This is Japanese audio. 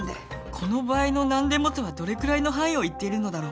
この場合の何でもとはどれくらいの範囲を言っているのだろう？